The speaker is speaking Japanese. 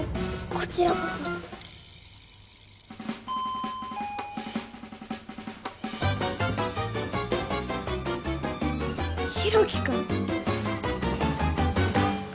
こちらこそ大樹くん？